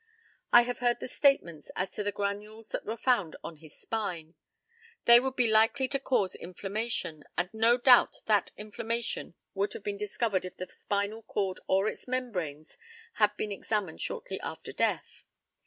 I have heard the statements as to the granules that were found on his spine. They would be likely to cause inflammation, and no doubt that inflammation would have been discovered if the spinal cord or its membranes had been examined shortly after death.